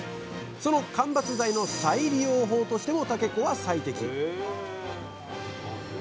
その間伐材の再利用法としても竹粉は最適！